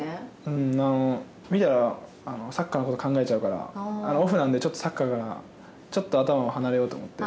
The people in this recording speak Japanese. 見たら、サッカーのこと考えちゃうから、オフなんで、サッカーからちょっと頭、離れようと思って。